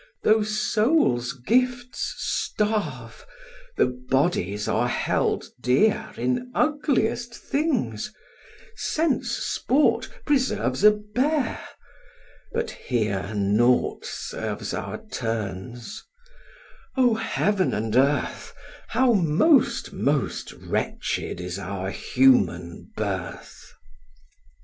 Though souls' gifts starve, the bodies are held dear In ugliest things; sense sport preserves a bear: But here naught serves our turns: O heaven and earth, How most most wretched is our human birth!